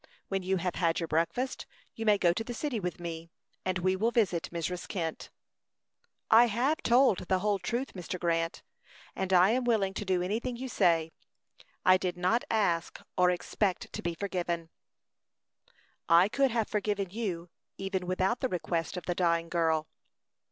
When you have had your breakfast, you may go to the city with me, and we will visit Mrs. Kent." "I have told the whole truth, Mr. Grant; and I am willing to do anything you say. I did not ask or expect to be forgiven." "I could have forgiven you, even without the request of the dying girl."